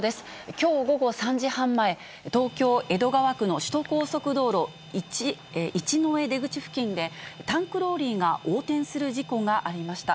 きょう午後３時半前、東京・江戸川区の首都高速道路一之江出口付近で、タンクローリーが横転する事故がありました。